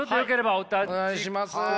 お願いします。